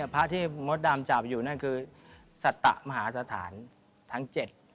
พระที่มดดำจับอยู่นั่นคือสัตมหาสถานทั้ง๗